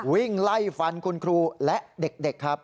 วิ่งไล่ฟันคุณครูและเด็กครับ